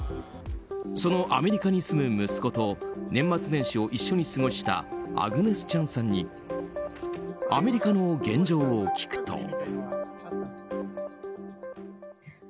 そのアメリカに住む息子と年末年始を一緒に過ごしたアグネス・チャンさんにアメリカの現状を聞くと。